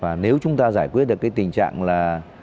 và nếu chúng ta giải quyết được cái tình trạng là